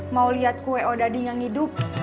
mau liat kue odadi yang hidup